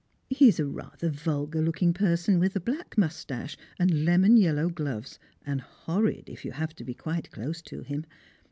He is a rather vulgar looking person, with a black moustache, and lemon yellow gloves, and horrid if you have to be quite close to him.